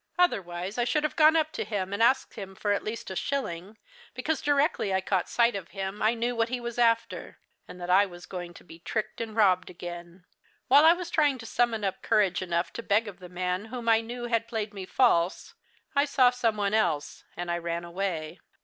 Otherwise I should have gone up to him and asked him for at least a shilling, because directly I caught sight of him I knew what he was after, and that I was going to be tricked and robbed again. While I was trying to summon up courage enough to beg of the man whom I knew had played me false, I saw some one else, and I ran away.